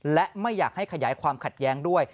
และไม่อยากให้ขยายความขัดแย้งด้วย